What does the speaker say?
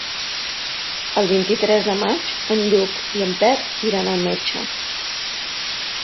El vint-i-tres de maig en Lluc i en Pep iran al metge.